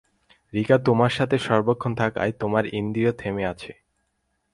রিকা তোমার সাথে সর্বক্ষণ থাকায়, তোমার ইন্দ্রিয় থেমে আছে।